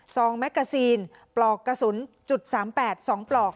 ซองแมกกาซีนปลอกกระสุนจุดสามแปดสองปลอก